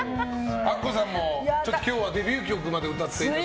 あっこさんも今日はデビュー曲まで歌って。